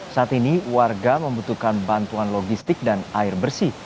saat ini warga membutuhkan bantuan logistik dan air bersih